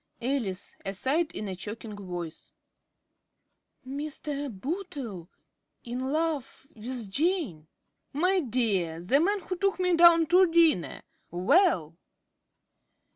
_) ~Alice~ (aside, in a choking voice). Mr. Bootle! In love with Jane! ~Jane.~ My dear! The man who took me down to dinner! Well!